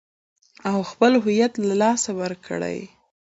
او خپل هويت له لاسه ور کړي .